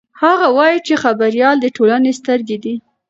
هغه وایي چې خبریال د ټولنې سترګې دي.